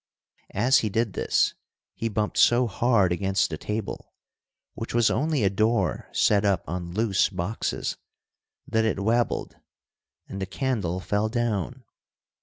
As he did this, he bumped so hard against the table—which was only a door set up on loose boxes—that it wabbled, and the candle fell down.